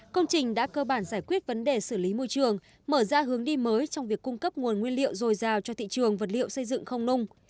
công trình đã cơ bản giải quyết vấn đề xử lý môi trường mở ra hướng đi mới trong việc cung cấp nguồn nguyên liệu dồi dào cho thị trường vật liệu xây dựng không nung